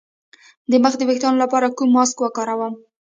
د مخ د ويښتانو لپاره کوم ماسک وکاروم؟